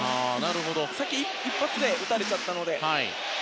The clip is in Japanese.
さっき一発で打たれてしまったので。